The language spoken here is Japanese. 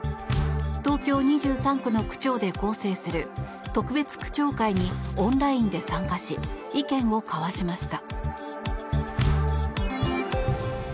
東京２３区の区長で構成する特別区長会にオンラインで参加し意見を交わしました。